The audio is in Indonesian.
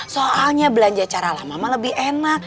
soalnya belanja cara lama lebih enak